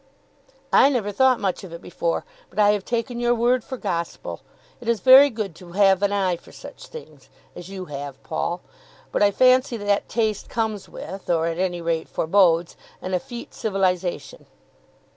"I never thought much of it before, but I have taken your word for gospel. It is very good to have an eye for such things, as you have, Paul. But I fancy that taste comes with, or at any rate forbodes, an effete civilisation."